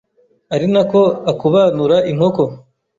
ari na ko akubanura inkoko